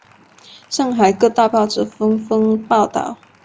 上海各大报纸纷纷报道。